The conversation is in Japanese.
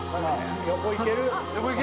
横いける？